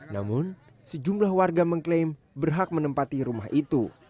namun sejumlah warga mengklaim berhak menempati rumah itu